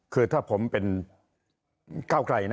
คือถ้าผมเป็นก้าวไกลนะ